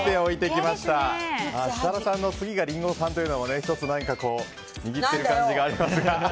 設楽さんの次がリンゴさんというのも１つ、握っている感じがありますが。